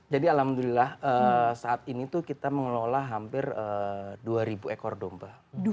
jadi alhamdulillah saat ini tuh kita mengelola hampir dua ribu ekor domba